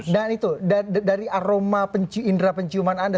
itu dari aroma indera penciuman anda